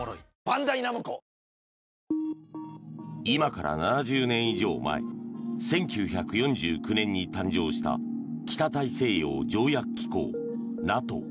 今から７０年以上前１９４９年に誕生した北大西洋条約機構・ＮＡＴＯ。